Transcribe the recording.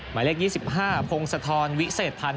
หมายเลข๒๕โพงสะทอนวิเศษทัน